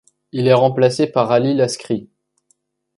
Il est remplacé par Ali Laskri.